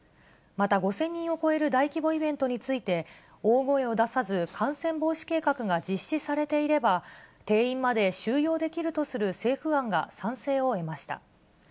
また５０００人を超える大規模イベントについて、大声を出さず、感染防止計画が実施されていれば、定員まで収容できるとする政府案が賛成を得ました。